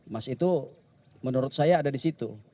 mas itu menurut saya ada di situ